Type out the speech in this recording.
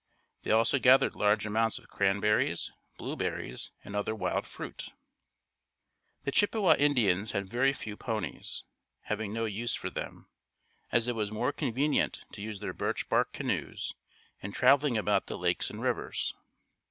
They also gathered large amounts of cranberries, blueberries and other wild fruit. The Chippewa Indians had very few ponies, having no use for them, as it was more convenient to use their birch bark canoes in traveling about the lakes and rivers.